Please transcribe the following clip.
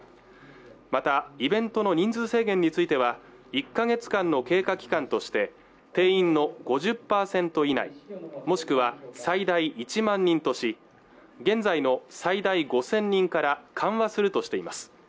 またイベントの人数制限については１か月間の経過期間として定員の５０％以内もしくは最大１万人とし現在の最大５０００人から緩和するとしています